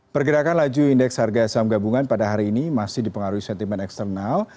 pergerakan laju indeks harga saham gabungan pada hari ini masih dipengaruhi sentimen eksternal